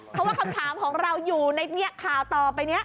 เพราะว่าคำถามของเราอยู่ในข่าวต่อไปนี้